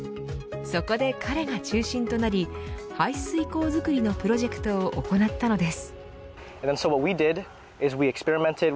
そこで彼が中心となり排水溝作りのプロジェクトを行ったのです。